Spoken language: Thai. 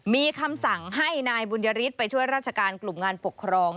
มีคำสั่งให้นายบุญยฤทธิ์ไปช่วยราชการกลุ่มงานปกครอง